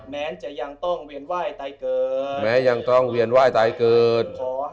แม้จะยังต้องเวียนไหว้ใต้เกิด